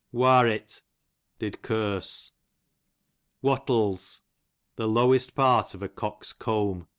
Warrit, did curse. Wattles, the lowest part of a cock's comb.